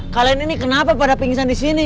kalian ini kenapa pada pingsan disini